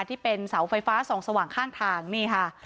ที่เป็นเสาไฟฟ้าส่องสว่างข้างทางนี่ค่ะ